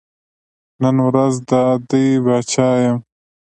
نن ورځ دا دی پاچا یم.